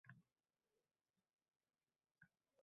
Barq urayotir.